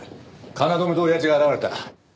京と親父が現れた。